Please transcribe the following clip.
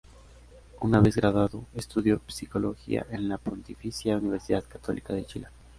Una vez graduado estudió psicología en la Pontificia Universidad Católica de Chile.